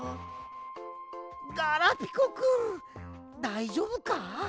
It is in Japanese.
ガラピコくんだいじょうぶか？